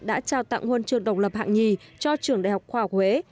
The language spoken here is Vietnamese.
đã trao tặng nguồn trường đồng lập hạng nhì cho trường đại học khoa học huế